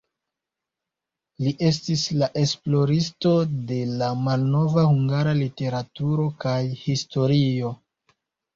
Li estis la esploristo de la malnova hungara literaturo kaj historio.